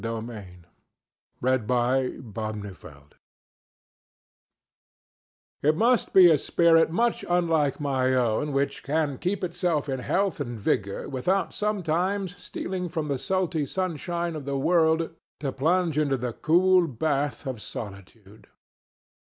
FOOTPRINTS ON THE SEASHORE It must be a spirit much unlike my own which can keep itself in health and vigor without sometimes stealing from the sultry sunshine of the world to plunge into the cool bath of solitude.